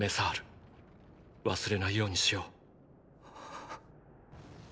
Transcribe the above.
忘れないようにしよう。